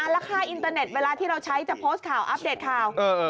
แล้วค่าอินเตอร์เน็ตเวลาที่เราใช้จะโพสต์ข่าวอัปเดตข่าว